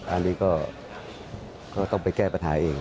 อันนี้ก็ต้องไปแก้ปัญหาเอง